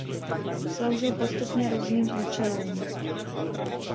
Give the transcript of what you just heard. Sloužil postupně různým účelům.